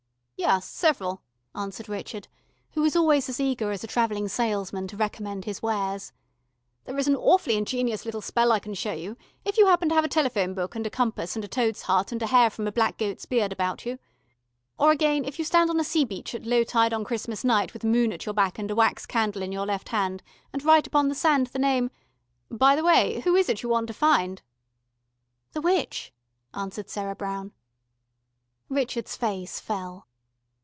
"Yes, several," answered Richard, who was always as eager as a travelling salesman to recommend his wares. "There is an awfully ingenious little spell I can show you, if you happen to have a telephone book and a compass and a toad's heart and a hair from a black goat's beard about you. Or again, if you stand on a sea beach at low tide on Christmas night with the moon at your back and a wax candle in your left hand, and write upon the sand the name by the way, who is it you want to find?" "The witch," answered Sarah Brown. Richard's face fell.